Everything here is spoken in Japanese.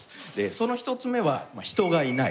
その１つ目は人がいない。